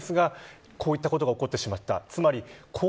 そんな中、こういったことが起こってしまった。